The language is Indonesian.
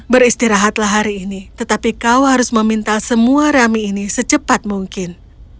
beristirahatlah hari ini tetapi kau harus meminta semua rami ini secepat mungkin